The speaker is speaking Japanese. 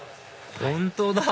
本当だ！